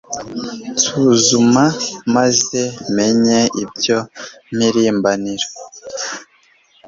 nsuzuma, maze umenye ibyo mpirimbanira